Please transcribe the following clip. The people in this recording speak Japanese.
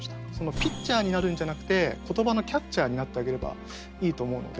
ピッチャーになるんじゃなくて言葉のキャッチャーになってあげればいいと思うので。